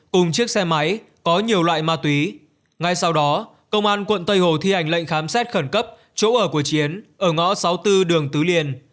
cùng chiếc xe máy có nhiều loại ma túy ngay sau đó công an quận tây hồ thi hành lệnh khám xét khẩn cấp chỗ ở của chiến ở ngõ sáu mươi bốn đường tứ liên